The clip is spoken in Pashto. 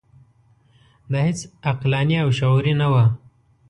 دا هیڅ عقلاني او شعوري نه وه.